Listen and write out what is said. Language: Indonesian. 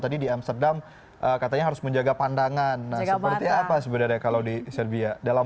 tadi di amsterdam katanya harus menjaga pandangan nah seperti apa sebenarnya kalau di serbia dalam